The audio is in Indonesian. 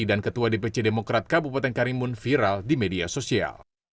dan ketua dpc demokrat kabupaten karimun viral di media sosial